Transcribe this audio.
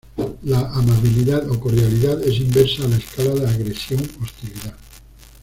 La amabilidad o cordialidad, es inversa a la escala de agresión-hostilidad.